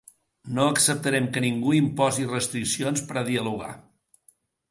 No acceptarem que ningú imposi restriccions per a dialogar.